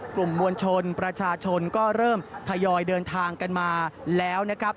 กลุ่มมวลชนประชาชนก็เริ่มทยอยเดินทางกันมาแล้วนะครับ